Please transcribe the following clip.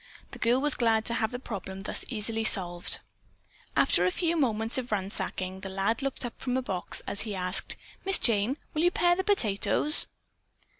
The girl was glad to have the problem thus easily solved. After a few moments of ransacking, the lad looked up from a box as he asked: "Miss Jane, will you pare the potatoes?"